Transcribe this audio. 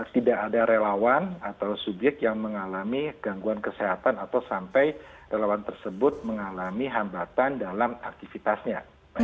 tidak ada relawan atau subyek yang mengalami gangguan kesehatan atau sampai relawan tersebut mengalami hambatan dalam aktivitasnya